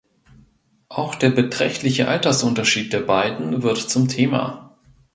Auch der beträchtliche Altersunterschied der beiden wird zum Thema.